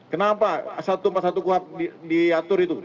kenapa satu ratus empat puluh satu kuhap diatur itu